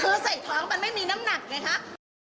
คือใส่ท้องมันไม่มีน้ำหนักไงคะ